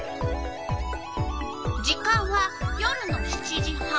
時間は夜の７時半。